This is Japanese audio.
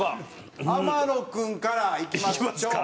天野君からいきましょう。